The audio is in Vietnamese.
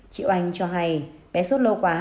chị oanh cho hay bé suốt lâu quá